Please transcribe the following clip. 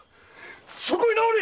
そこへ直れ！